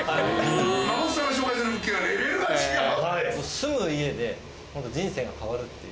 住む家で人生が変わるっていう。